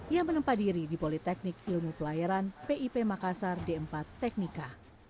yang menempa diri di politeknik ilmu pelayaran pip makassar d empat teknika